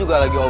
gak ada masalah